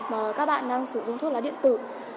mà các bạn đang sử dụng thuốc lá điện tử